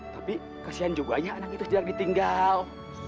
tapi kesian juga ya anak itu tidak ditinggal